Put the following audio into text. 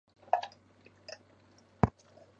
陶望龄为南京礼部尚书陶承学之子。